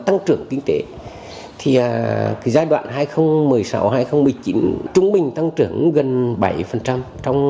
tăng trưởng gần bảy trong bốn năm